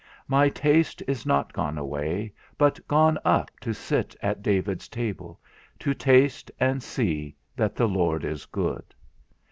My taste is not gone away, but gone up to sit at David's table, to taste, and see, that the Lord is good.